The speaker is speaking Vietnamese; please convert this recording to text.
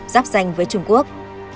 giáp danh với trung quốc